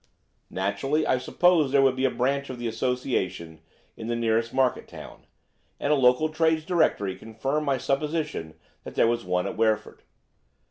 Naturally I supposed there would be a branch of the association in the nearest market town, and a local trades' directory confirmed my supposition that there was one at Wreford.